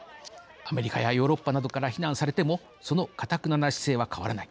アメリカやヨーロッパなどから非難されてもそのかたくなな姿勢は変わらない。